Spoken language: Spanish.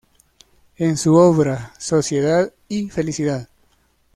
En su obra “Sociedad y Felicidad.